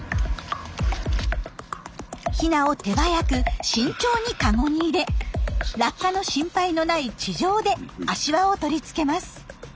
ヒナを手早く慎重に籠に入れ落下の心配のない地上で足環を取り付けます。